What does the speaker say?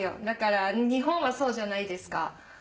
だから日本はそうじゃないですか。